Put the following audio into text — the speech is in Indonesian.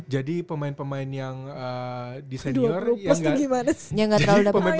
jadi pemain pemain yang di senior yang gak terlalu dapat